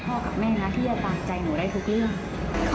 เขาก็เข้าใจว่าเขาเป็น๑ใน๕คนของประเทศที่แพ้เยอะ